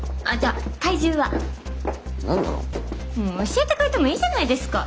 教えてくれてもいいじゃないですか？